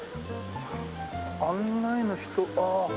案内の人？